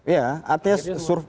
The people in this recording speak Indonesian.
ya artinya survei